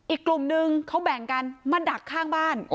อีกกลุ่มนึงเขาแบ่งกันมาดักข้างบ้าน